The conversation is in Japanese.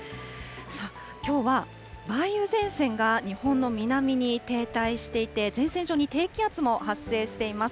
さあ、きょうは梅雨前線が日本の南に停滞していて、前線上に低気圧も発生しています。